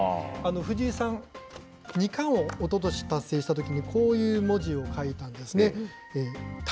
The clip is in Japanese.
藤井さん、二冠をおととし達成したときに、こういう文字を書いたんですね。